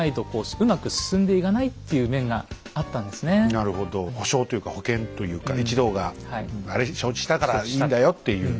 なるほど保証というか保険というかね一同があれ承知したからいいんだよっていう。